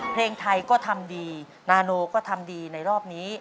เพลงไทยก็ทำดีนาโนก็ทำดีในรอบนี้